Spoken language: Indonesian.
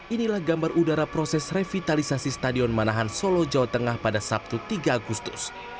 inilah gambar udara proses revitalisasi stadion manahan solo jawa tengah pada sabtu tiga agustus